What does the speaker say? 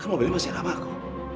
kamu beli masih ada apa aku